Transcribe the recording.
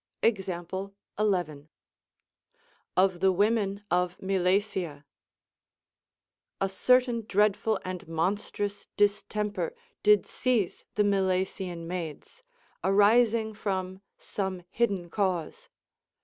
Example 11. Of the Women of Milesia. A certain dreadful and monstrous distemper did seize the iNlilesian maids, arising from some hidden cause.